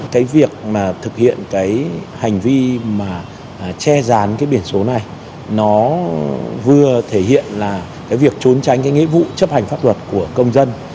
cái việc mà thực hiện cái hành vi mà che rán cái biển số này nó vừa thể hiện là cái việc trốn tránh cái nghĩa vụ chấp hành pháp luật của công dân